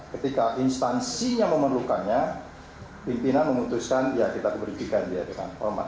ketika instansinya memerlukannya pimpinan memutuskan ya kita keberhentikan dia dengan hormat